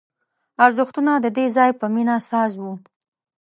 ارزښتونه د دې ځای په مینه ساز وو